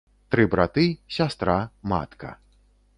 Тры браты, сястра, матка.